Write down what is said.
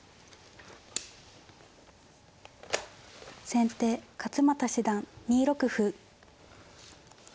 先手勝又七段２六歩。